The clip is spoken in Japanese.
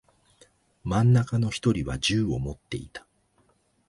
真ん中の一人は銃を持っていた。